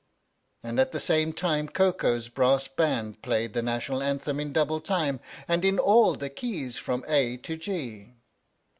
and at the same time Koko's brass band played the National Anthem in double time, and in all the keys from A to G.